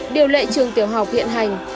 điều lệ trường tiểu học hiện hành